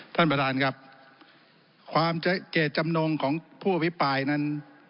ท่านประธานครับความเจตจำนงของผู้อภิปรายนั้น